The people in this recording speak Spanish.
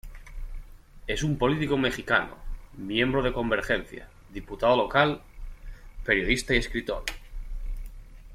Es un político mexicano, miembro de Convergencia, diputado Local, periodista y escritor.